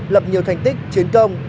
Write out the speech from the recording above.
lập nhiều thành tích chiến công